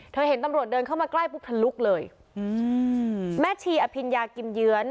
เห็นตำรวจเดินเข้ามาใกล้ปุ๊บทะลุกเลยอืมแม่ชีอภิญญากิมเยื้อน